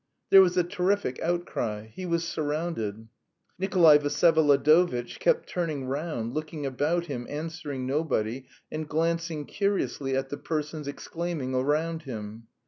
There was a terrific outcry; he was surrounded. Nikolay Vsyevolodovitch kept turning round, looking about him, answering nobody, and glancing curiously at the persons exclaiming around him.